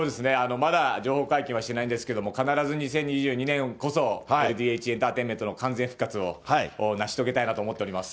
まだ情報解禁はしてないんですけども、必ず２０２２年こそ、ＬＤＨエンターテインメントの完全復活を成し遂げたいなと思っております。